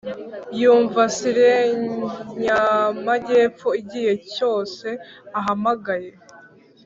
yumva siren y'amajyepfo igihe cyose ahamagaye.